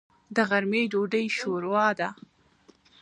د غرمې ډوډۍ شوروا ده.